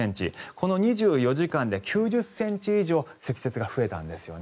この２４時間で９０ｃｍ以上積雪が増えたんですね。